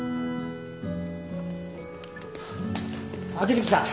秋月さん